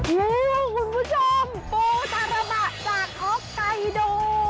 คุณผู้ชมปูตาราบะจากออฟไกโด